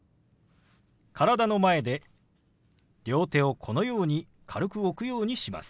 体の前で両手をこのように軽く置くようにします。